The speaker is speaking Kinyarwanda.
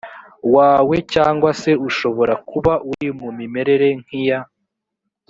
wawe cyangwa se ushobora kuba uri mu mimerere nk iya